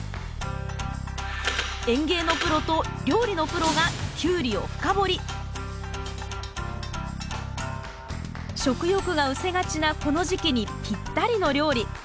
園芸のプロと料理のプロが食欲がうせがちなこの時期にぴったりの料理。